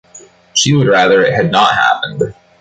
She would rather it had not happened.